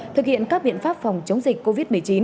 thực hiện các biện pháp phòng chống dịch covid một mươi chín